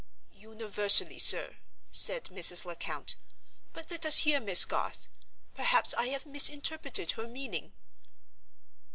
"Universally, sir," said Mrs. Lecount. "But let us hear Miss Garth. Perhaps I have misinterpreted her meaning."